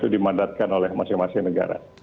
dimandatkan oleh masing masing negara